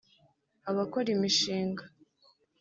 abakora imishinga